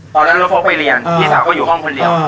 ตอนนั้นรถพกไปเรียนพี่สาวก็อยู่ห้องคนเดียว